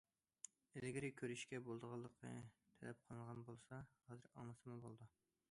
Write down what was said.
ئىلگىرى كۆرۈشكە بولىدىغانلىقى تەلەپ قىلىنغان بولسا، ھازىر ئاڭلىسىمۇ بولىدۇ.